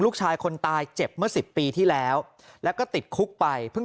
ลูกชายคนตายเจ็บเมื่อสิบปีที่แล้วแล้วก็ติดคุกไปเพิ่ง